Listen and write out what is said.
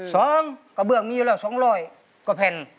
สองกระเบื้องมีอยู่แล้ว๒๐๐กระเพ็ญ